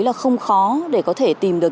là không khó để có thể tìm được